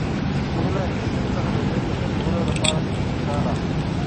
موږ له انټرنیټ څخه د ژبې زده کولو لپاره کار اخلو.